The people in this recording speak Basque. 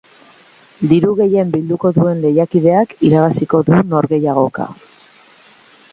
Diru gehien bilduko duen lehiakideak irabaziko du norgehiagoka.